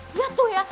dia tuh ya